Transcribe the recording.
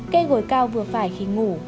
cây gối cao vừa phải khi ngủ